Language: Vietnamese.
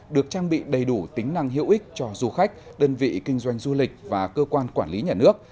được trang bị đầy đủ tính năng hữu ích cho du khách đơn vị kinh doanh du lịch và cơ quan quản lý nhà nước